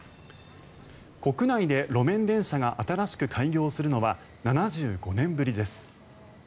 国内で路面電車が新しく開業するのは７５年ぶりです。